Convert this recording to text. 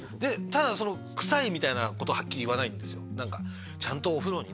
ただその臭いみたいなことはっきり言わないんですよ